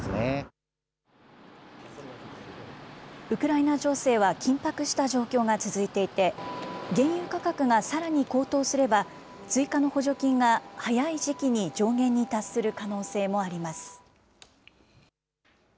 ウクライナ情勢は緊迫した状況が続いていて、原油価格がさらに高騰すれば、追加の補助金が早い時期に上限に達する可能性もあります。